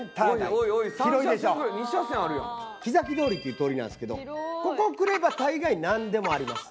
木崎通りっていう通りなんですけどここ来れば大概なんでもあります。